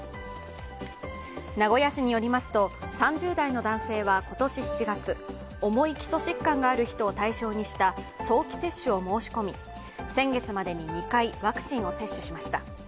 名古屋市によりますと、３０代の男性は今年７月、重い基礎疾患がある人を対象にした早期接種を申し込み、先月までに２回ワクチンを接種しました。